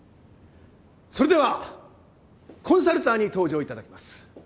それではコンサルターに登場いただきます。